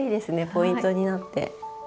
ポイントになって。